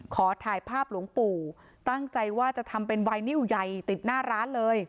ขอถ่ายภาพหลวงปู่ตั้งใจว่าจะทำเป็นไวนิ้วใหญ่ติดหน้าร้านเลย